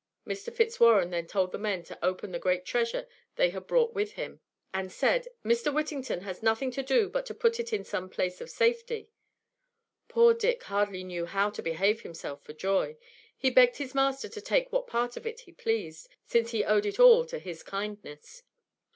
Mr. Fitzwarren then told the men to open the great treasure they had brought with him; and said: "Mr. Whittington has nothing to do but to put it in some place of safety." Poor Dick hardly knew how to behave himself for joy. He begged his master to take what part of it he pleased, since he owed it all to his kindness.